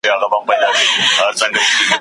پاڼې د وارث غوږ کش کړ.